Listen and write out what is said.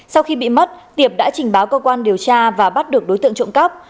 sau khi bị mất tiệp đã trình báo cơ quan điều tra và bắt được đối tượng trộm cắp